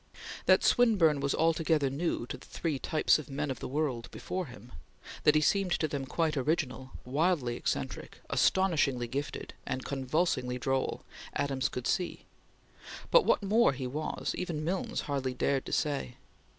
That Swinburne was altogether new to the three types of men of the world before him; that he seemed to them quite original, wildly eccentric, astonishingly gifted, and convulsingly droll, Adams could see; but what more he was, even Milnes hardly dared say.